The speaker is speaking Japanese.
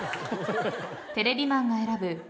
テレビマンが選ぶ